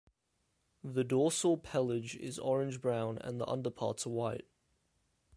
The dorsal pelage is orange-brown and the underparts are white.